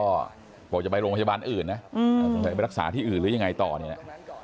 ก็บอกจะไปโรงพยาบาลอื่นนะไปรักษาที่อื่นหรือยังไงต่อเนี่ยนะ